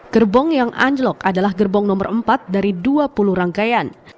gerbong yang anjlok adalah gerbong nomor empat dari dua puluh rangkaian